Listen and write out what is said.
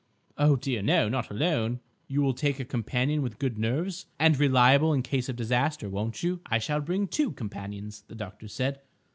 "Oh, dear, no; not alone." "You will take a companion with good nerves, and reliable in case of disaster, won't you?" "I shall bring two companions," the doctor said.